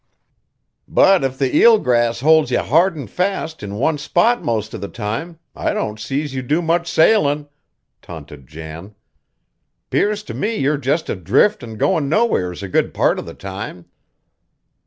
"But if the eel grass holds you hard an' fast in one spot most of the time I don't see's you do much sailin'," taunted Jan. "'Pears to me you're just adrift an' goin' nowheres a good part of the time."